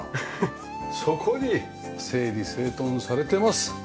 そこに整理整頓されています。